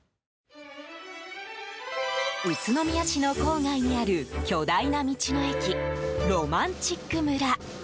宇都宮市の郊外にある巨大な道の駅、ろまんちっく村。